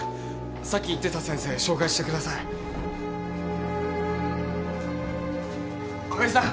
さっき言ってた先生紹介してください赤城さん